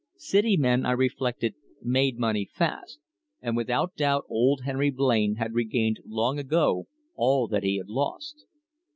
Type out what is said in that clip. City men, I reflected, made money fast, and without doubt old Henry Blain had regained long ago all that he had lost.